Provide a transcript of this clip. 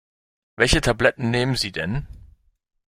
Welche Tabletten nehmen Sie denn?